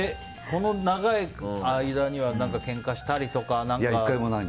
この長い間には何かけんかしたりとか。